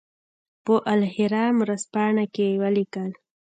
په الاهرام ورځپاڼه کې ولیکل.